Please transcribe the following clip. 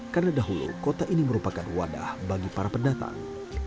karena dahulu kota ini merupakan wadah bagi para pendatang